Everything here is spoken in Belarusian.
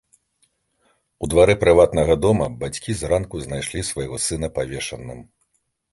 У двары прыватнага дома бацькі зранку знайшлі свайго сына павешаным.